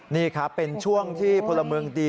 นี่ครับเป็นช่วงที่พลเมืองดี